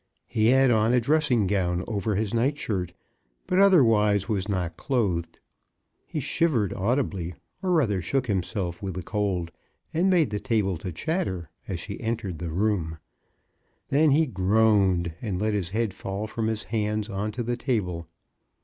He had on a dressing gown over his nightshirt, but otherwise was not clothed. He shivered audibly, or rather shook himself with the cold, and made the table to chatter, as she entered the room. Then he groaned, and let his head fall from his hands on to the table.